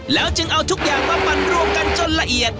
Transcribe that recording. แล้วจึงเอาทุกอย่างมาปั่นรวมกันจนละเอียด